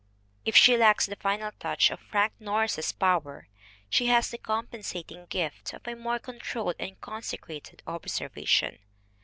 If she lacks the final touch of Frank Norris's power, she has the compensating gift of a more controlled and concentrated observa tion.